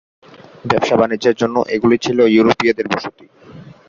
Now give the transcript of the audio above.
ব্যবসায়-বাণিজ্যের জন্য এগুলি ছিল ইউরোপীয়দের বসতি।